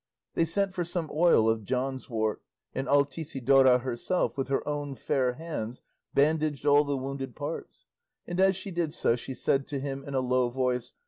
They sent for some oil of John's wort, and Altisidora herself with her own fair hands bandaged all the wounded parts; and as she did so she said to him in a low voice.